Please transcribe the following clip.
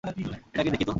এটাকে দেখি তো।